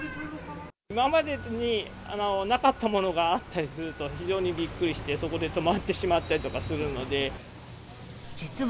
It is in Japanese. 今までになかったものがあったりすると、非常にびっくりして、そこで止まってしまったりとかす実は、